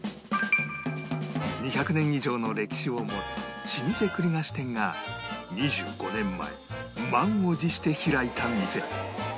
２００年以上の歴史を持つ老舗栗菓子店が２５年前満を持して開いた店